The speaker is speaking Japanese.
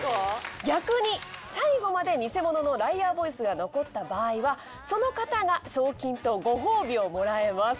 逆に最後まで偽者のライアーボイスが残った場合はその方が賞金とご褒美をもらえます。